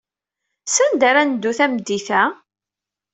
Sanda ara neddu tameddit-a?